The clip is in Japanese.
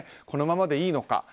このままでいいのか？